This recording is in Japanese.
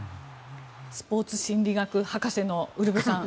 スポーツ心理学博士のウルヴェさん。